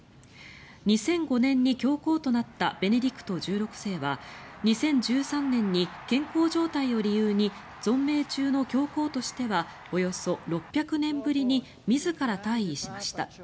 ２００５年に教皇となったベネディクト１６世は２０１３年に健康状態を理由に存命中の教皇としてはおよそ６００年ぶりに自ら退位しました。